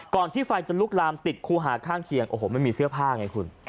ที่ไฟจะลุกลามติดคู่หาข้างเคียงโอ้โหมันมีเสื้อผ้าไงคุณ